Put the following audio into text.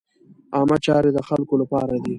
عامه چارې د خلکو له پاره دي.